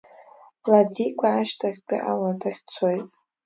Ладикәа ашьҭахьтәи ауадахь дцоит.